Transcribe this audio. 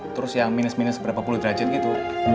terus yang minus minus berapa puluh derajat gitu